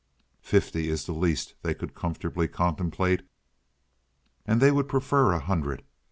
Fifty is the least they could comfortably contemplate, and they would prefer a hundred.